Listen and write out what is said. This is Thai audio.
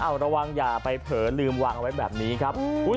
เอาระวังอย่าไปเผลอลืมวางเอาไว้แบบนี้ครับ